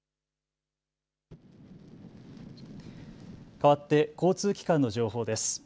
かわって交通機関の情報です。